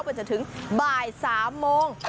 ก็จะถึงบ่าย๓โมง